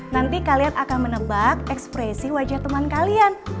nanti kalian akan menebak ekspresi wajah teman kalian